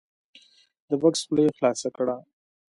د بکس خوله یې خلاصه کړه !